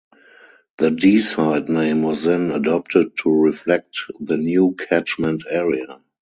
The Deeside name was then adopted to reflect the new catchment area.